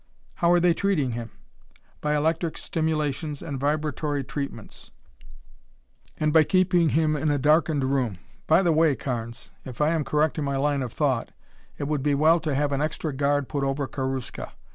"How are they treating him?" "By electric stimulations and vibratory treatments and by keeping him in a darkened room. By the way, Carnes, if I am correct in my line of thought, it would be well to have an extra guard put over Karuska.